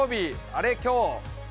あれ、今日？